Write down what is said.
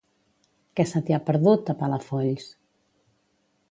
Què se t'hi ha perdut, a Palafolls?